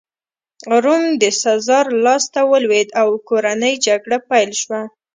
روم د سزار لاسته ولوېد او کورنۍ جګړه پیل شوه